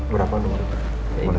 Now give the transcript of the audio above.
berapa nomornya pak